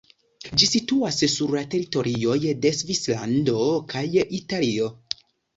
Ĝi situas sur la teritorioj de Svislando kaj Italio.